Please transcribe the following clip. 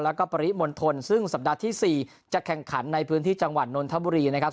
แล้วก็ปริมณฑลซึ่งสัปดาห์ที่๔จะแข่งขันในพื้นที่จังหวัดนนทบุรีนะครับ